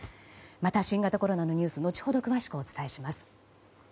また新型コロナのニュース後ほど詳しくお伝えします。